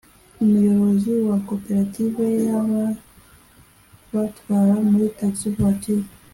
Umuyobozi wa Koperative y’ababatwara muri taxi Voiture